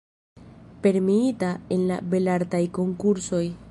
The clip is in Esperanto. Premiita en la Belartaj Konkursoj.